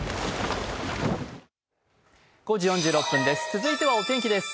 続いてはお天気です。